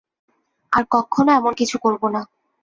আর কক্ষনো এমন কিছু করবো না।